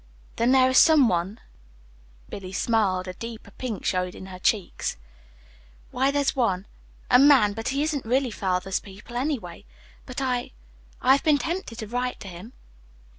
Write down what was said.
"Then there is some one?" Billy smiled. A deeper pink showed in her cheeks. "Why, there's one a man but he isn't really father's people, anyway. But I I have been tempted to write to him."